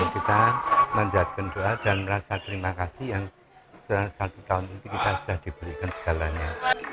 kita menjadikan doa dan rasa terima kasih yang satu tahun itu kita sudah diberikan segalanya